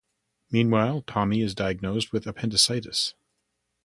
Meanwhile, Tommy is diagnosed with appendicitis.